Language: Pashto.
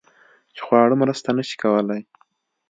چې خواړه مرسته نشي کولی